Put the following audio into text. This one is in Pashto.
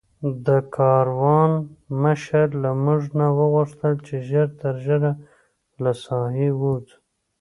د کاروان مشر له موږ نه وغوښتل چې ژر تر ژره له ساحې ووځو.